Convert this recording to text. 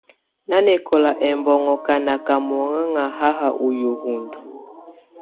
Nanɛkɔla ɛmbɔnŋɔ ka naka monŋɛŋa hahs ɔ yəhundə.